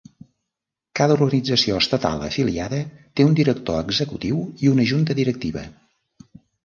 Cada organització estatal afiliada té un director executiu i una junta directiva.